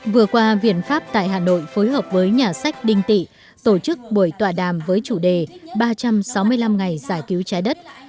vừa qua viện pháp tại hà nội phối hợp với nhà sách đinh tị tổ chức buổi tọa đàm với chủ đề ba trăm sáu mươi năm ngày giải cứu trái đất